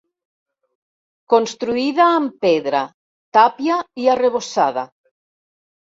Construïda amb pedra, tàpia i arrebossada.